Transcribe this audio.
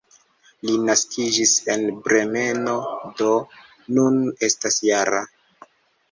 Li naskiĝis en Bremeno, do nun estas -jara.